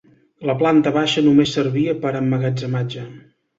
La planta baixa només servia per a emmagatzematge.